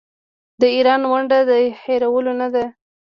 د ایران ونډه د هیرولو نه ده.